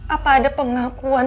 apa ada pengakuan